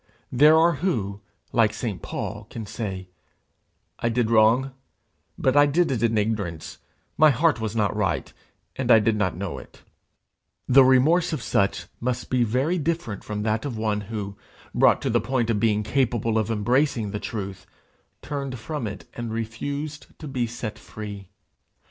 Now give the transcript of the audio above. There are who, like St. Paul, can say, 'I did wrong, but I did it in ignorance; my heart was not right, and I did not know it:' the remorse of such must be very different from that of one who, brought to the point of being capable of embracing the truth, turned from it and refused to be set free.